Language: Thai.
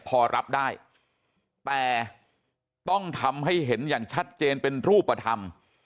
พอรับได้แต่ต้องทำให้เห็นอย่างชัดเจนเป็นรูปธรรม